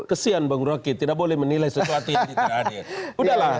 kesian bung roky tidak boleh menilai sesuatu yang tidak adil